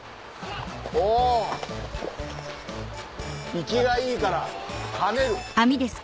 生きがいいから跳ねる。